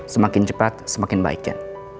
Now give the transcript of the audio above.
semakin cepat semakin baik jen